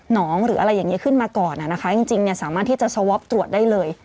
น้องหรืออะไรอย่างเงี้ยขึ้นมาก่อนอ่ะนะคะจริงจริงเนี้ยสามารถที่จะตรวจได้เลย